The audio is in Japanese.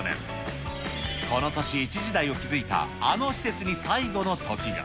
この年、一時代を築いたあの施設に最後のときが。